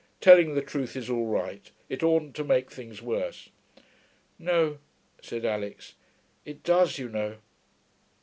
Telling the truth is all right. It oughtn't to make things worse.' 'No,' said Alix. 'It does, you know.'